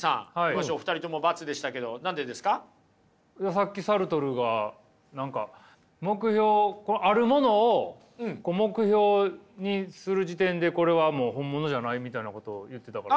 さっきサルトルが何か目標あるものを目標にする時点でこれはもう本物じゃないみたいなことを言ってたから。